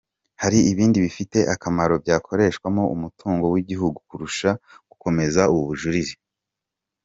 Hari ibindi bifite akamaro byakoreshwamo umutungo w’igihugu kurusha gukomeza ubu bujurire.”